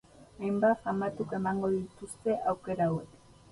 Hainbat famatuk emango dituzte aukera hauek.